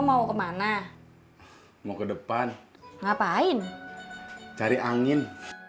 mau kemana mau ke depan ngapain cari angin